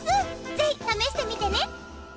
ぜひ試してみてね。